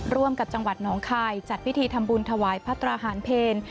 ร่วมกับจังหวัดหนองคายจัดพิธีทำบุญถวายพระตราหารเพล